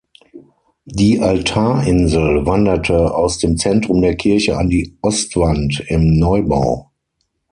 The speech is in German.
Die Altarinsel wanderte aus dem Zentrum der Kirche an die Ostwand im Neubau.